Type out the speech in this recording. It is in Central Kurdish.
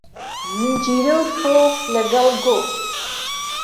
زنجيره و تۆق له گهڵ گۆ